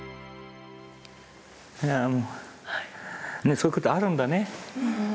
そういうことあるんだね。